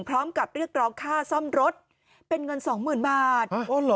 พร้อมกับเรียกร้องค่าซ่อมรถเป็นเงินสองหมื่นบาท